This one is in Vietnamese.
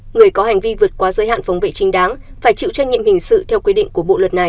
người có hành vi vượt qua giới hạn phòng vệ chính đáng phải chịu trách nhiệm hình sự theo quy định của bộ luật này